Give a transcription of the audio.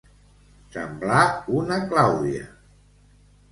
Semblar una Clàudia.